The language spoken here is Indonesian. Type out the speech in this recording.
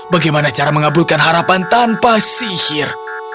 bagaimana cara mengabulkan harapan tanpa sihir